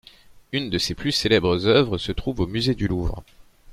Une de ses plus célèbres œuvres se trouve au musée du Louvre.